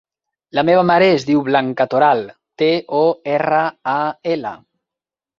La meva mare es diu Blanca Toral: te, o, erra, a, ela.